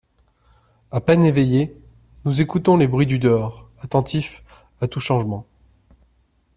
À peine éveillés, nous écoutons les bruits du dehors, attentifs à tout changement.